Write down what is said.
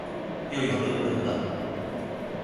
又有論文了